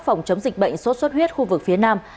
phòng chống dịch bệnh sốt xuất huyết khu vực phía nam